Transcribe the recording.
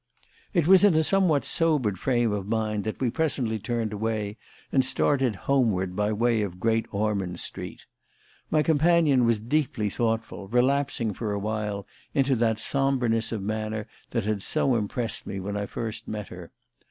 It was in a somewhat sobered frame of mind that we presently turned away and started homeward by way of Great Ormond Street. My companion was deeply thoughtful, relapsing for a while into that sombreness of manner that had so impressed me when I first met her.